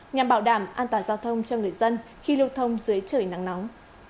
nhằm bảo đảm an toàn giao thông cho người dân khi lưu thông dưới trời nắng nóng